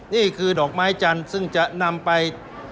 นี่คือดอกไม้จันทร์ซึ่งจะนำไป